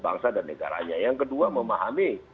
bangsa dan negaranya yang kedua memahami